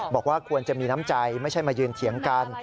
บอกว่าควรจะมีน้ำใจไม่ใช่มายืนเถียงกัน